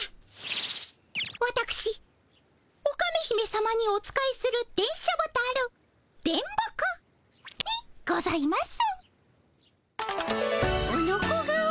わたくしオカメ姫さまにお仕えする電書ボタル電ボ子にございます。